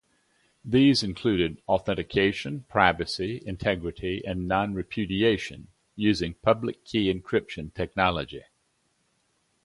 These included authentication, privacy, integrity and non-repudiation using Public Key Encryption technology.